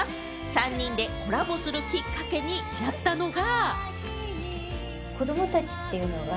３人でコラボするきっかけになったのが。